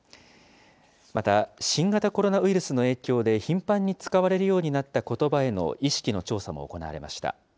また、新型コロナウイルスの影響で頻繁に使われるようになったことばへの意識の調査も行われました。